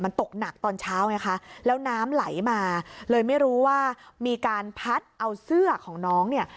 มันตกหนักตอนเช้าไงคะแล้วน้ำไหลมาเลยไม่รู้ว่ามีการพัดเอาเสื้อของน้องเนี่ย